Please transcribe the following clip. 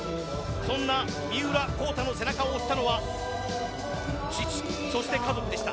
そんな三浦孝太の背中を押したのは父、そして家族でした。